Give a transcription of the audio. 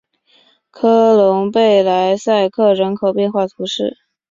科隆贝莱塞克人口变化图示